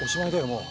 もう。